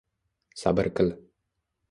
“Sabr qil!